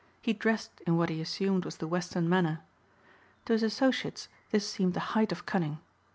He dressed in what he assumed was the Western manner. To his associates this seemed the height of cunning.